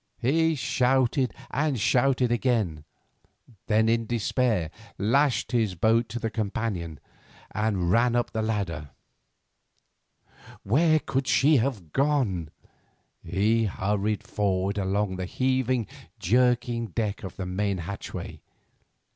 He shouted and shouted again; then in despair lashed his boat to the companion, and ran up the ladder. Where could she have gone? He hurried forward along the heaving, jerking deck to the main hatchway.